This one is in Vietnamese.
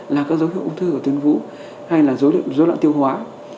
là các dấu hiệu ung thư của tuyến vũ hay là dối loạn tiêu hóa